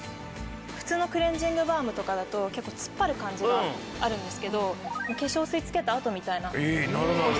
普通のクレンジングバームとかだと結構突っ張る感じがあるんですけど化粧水をつけたあとみたいな保湿感。